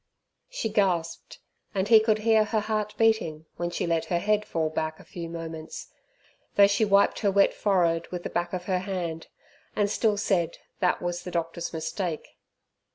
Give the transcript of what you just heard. She gasped, and he could hear her heart beating when she let her head fall back a few moments; though she wiped her wet forehead with the back of her hand, and still said that was the doctor's mistake.